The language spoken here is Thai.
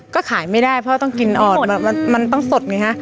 ก็ขายไม่ได้เพราะต้องกินอ่อนมันต้องสดไงฮะ